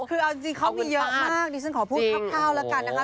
คือเอาจริงเขามีเยอะมากดิฉันขอพูดคร่าวแล้วกันนะคะ